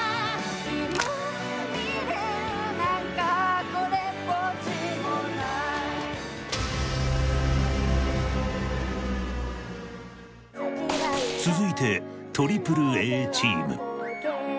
今未練なんかこれっぽっちも無い続いて ＡＡＡ チーム